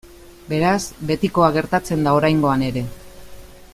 Beraz, betikoa gertatzen da oraingoan ere.